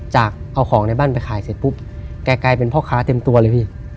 จากเอาของในบ้านไปขายเสร็จปุ๊บแกกลายเป็นพ่อค้าเต็มตัวเลยพี่